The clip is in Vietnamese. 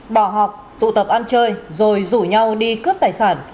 bỏ học tụ tập ăn chơi rồi rủ nhau đi cướp tài sản